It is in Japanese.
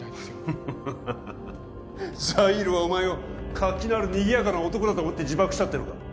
ハハハハハザイールはお前を活気のあるにぎやかな男だと思って自爆したっていうのか？